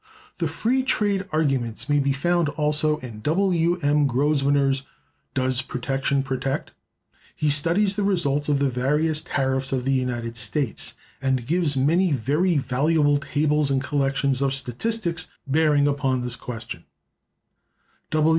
The free trade arguments may be found also in W. M. Grosvenor's "Does Protection Protect?" He studies the results of the various tariffs of the United States, and gives many very valuable tables and collections of statistics bearing upon this question.